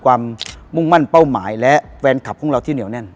มุ่งมั่นเป้าหมายและแฟนคลับของเราที่เหนียวแน่น